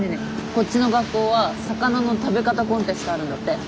こっちの学校は魚の食べ方コンテストあるんだって。